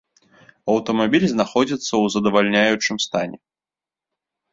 Аўтамабіль знаходзіцца ў задавальняючым стане.